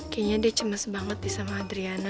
kayaknya dia cemas banget nih sama adriana